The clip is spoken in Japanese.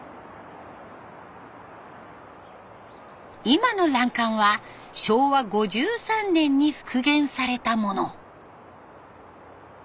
今の欄干は昭和５３年に復元されたもの。